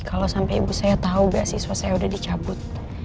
kalau sampai ibu saya tahu beasiswa saya udah dicabut